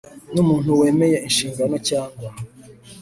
n umuntu wemeye inshingano cyangwa